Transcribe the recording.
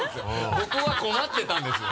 僕は困ってたんですよ。